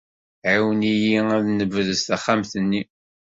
Ɛiwen-iyi ad nebrez taxxamt-nni.